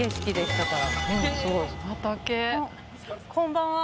こんばんは。